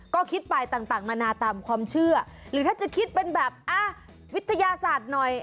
ก็คิดไปต่างนานาตามความเชื่อหรือถ้าจะคิดเป็นแบบวิทยาศาสตร์หน่อย